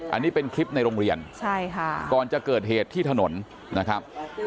อันนี้เป็นคลิปในโรงเรียนใช่ค่ะก่อนจะเกิดเหตุที่ถนนนะครับ